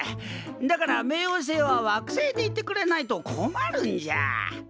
だから冥王星は惑星でいてくれないと困るんじゃ。